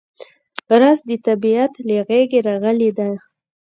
رس د طبیعت له غېږې راغلی دی